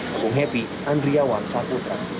sejak ppkm darurat diterapkan tiga juli lalu